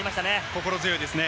心強いですね。